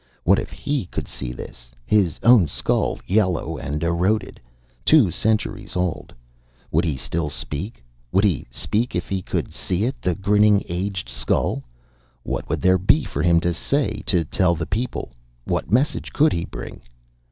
What if he could see this, his own skull, yellow and eroded? Two centuries old. Would he still speak? Would he speak, if he could see it, the grinning, aged skull? What would there be for him to say, to tell the people? What message could he bring?